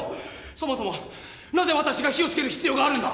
そもそもなぜ私が火をつける必要があるんだ？